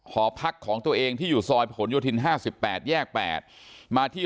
ห้อพักของตัวเองที่อยู่ซอยผงโยทินห้าสิบแปดแยกแปดมาที่